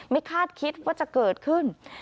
คาดคิดว่าจะเกิดขึ้น